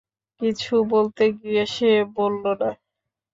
কিছু বলতে গিয়ে সে বলল না।